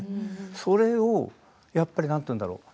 それをやっぱり何て言うんだろう